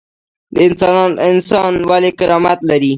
انسان ولې کرامت لري؟